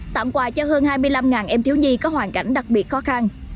tặng quà cho hơn hai mươi năm em thiếu nhi có hoàn cảnh đặc biệt khó khăn